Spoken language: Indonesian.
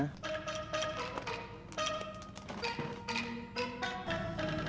terus rencana akan kedepannya gimana